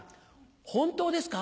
本当ですか？